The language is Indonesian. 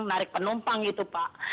tarik penumpang gitu pak